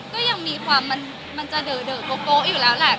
ก็ยังมีความมันจะเดอะโป๊ะอยู่แล้วแหละ